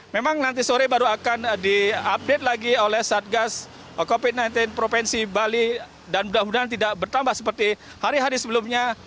memang nanti sore baru akan diupdate lagi oleh satgas covid sembilan belas provinsi bali dan mudah mudahan tidak bertambah seperti hari hari sebelumnya